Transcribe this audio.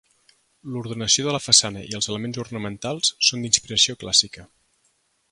L'ordenació de la façana i els elements ornamentals són d'inspiració clàssica.